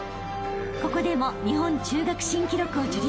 ［ここでも日本中学新記録を樹立］